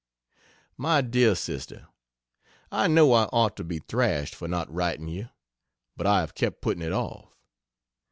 MY DEAR SISTER, I know I ought to be thrashed for not writing you, but I have kept putting it off.